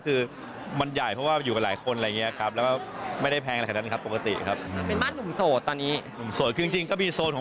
คือมันใหญ่เพราะว่าอยู่กับหลายคนอะไรอย่างนี้ครับ